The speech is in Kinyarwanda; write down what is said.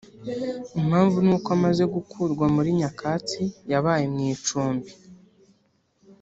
Impamvu ni uko amaze gukurwa muri nyakatsi yabaye mu icumbi